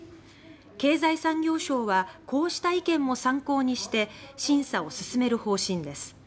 経済産業省はこうした意見も参考にして審査を進める方針です。